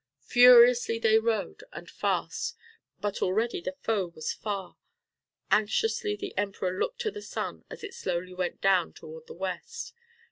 Furiously they rode and fast, but already the foe was far. Anxiously the Emperor looked to the sun as it slowly went down toward the west.